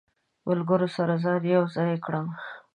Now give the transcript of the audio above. ملګرو سره ځان یو ځای کړم.